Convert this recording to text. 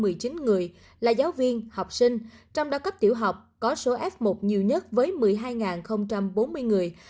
hải dương có hai mươi bốn sáu trăm một mươi chín người là giáo viên học sinh trong đó cấp tiểu học có số f một nhiều nhất với một mươi hai bốn mươi người